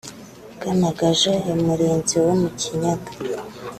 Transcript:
bwa Magaja ya Murinzi wo mu Kinyaga